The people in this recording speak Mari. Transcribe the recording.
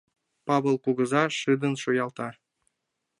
— Павыл кугыза шыдын шуялта.